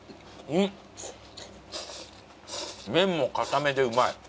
麺も硬めでうまい。